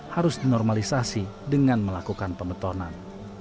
harus dinormalisasi dengan melakukan pemetonan